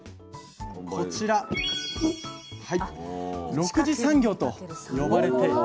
「６次産業」と呼ばれています。